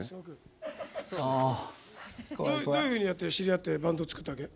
どういうふうにやって知り合ってバンド作ったわけ？